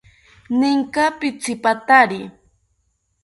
Ninka pitzipatari?